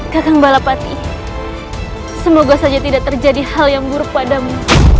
kakang balapati semoga saja tidak terjadi hal yang buruk padamu